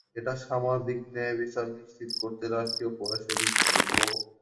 এটা সামাজিক ন্যায়বিচার নিশ্চিত করতে রাষ্ট্রীয় প্রয়াসের ইঙ্গিতবহ।